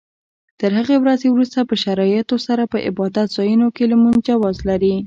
تر هغې ورځې وروسته په شرایطو سره په عبادت ځایونو کې لمونځ جواز لري.